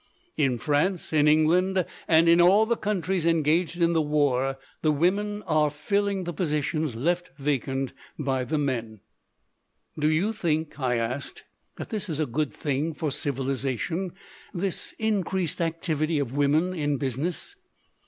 In France, in Eng land, in all the countries engaged in the war the women are filling the positions left vacant by the men." 124 THE PASSING OF THE SNOB "Do you think, " I asked, "that this is a good thing for civilization, this increased activity of women in business?"